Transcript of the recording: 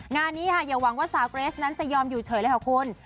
งานนี้ค่ะอย่าหวังว่าสาวเกรสนั้นจะยอมอยู่เฉยเลยค่ะคุณ